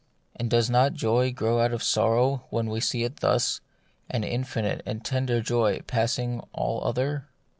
And does not joy grow out of sorrow when we see it thus — an infinite and tender joy passing all other